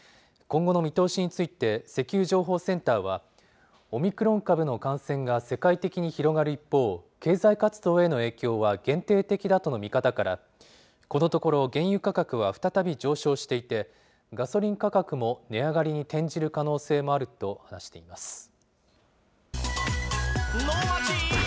今後の見通しについて、石油情報センターは、オミクロン株の感染が世界的に広がる一方、経済活動への影響は限定的だとの見方から、このところ原油価格は再び上昇していて、ガソリン価格も値上がりに転じる可能性もあると話しています。